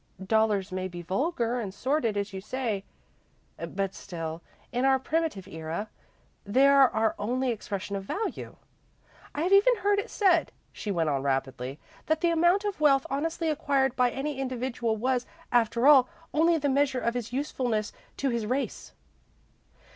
Dollars may be vulgar and sordid, as you say, but still, in our primitive era, they are our only expression of value. I have even heard it said," she went on, rapidly, "that the amount of wealth honestly acquired by any individual was, after all, only the measure of his usefulness to his race."